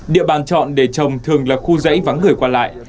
địa bàn chọn để trồng thường là khu dãy vắng người qua lại